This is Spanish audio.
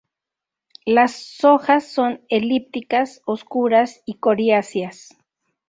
Las hojas son elípticas, oscuras y coriáceas.